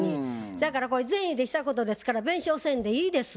そやからこれ善意でしたことですから弁償せんでいいです。